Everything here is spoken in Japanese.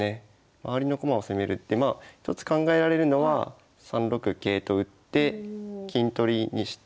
周りの駒を攻めるって一つ考えられるのは３六桂と打って金取りにして。